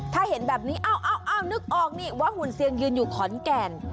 ถ้าเห็นแบบนี้เอ้านึกออกนี่ว่าหุ่นเซียงยืนอยู่ขอนแก่น